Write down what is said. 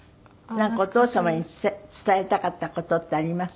なんかお父様に伝えたかった事ってあります？